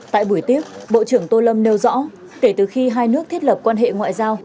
tại buổi tiếp bộ trưởng tô lâm nêu rõ kể từ khi hai nước thiết lập quan hệ ngoại giao